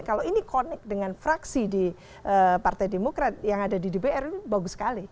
kalau ini connect dengan fraksi di partai demokrat yang ada di dpr itu bagus sekali